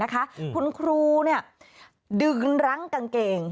คุณครูดึงรั้งกางเกง